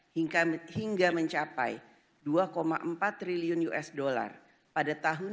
hingga mencapai dua empat triliun usd pada tahun dua ribu dua puluh